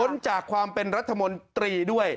จากความเป็นรัฐมนตรีด้วย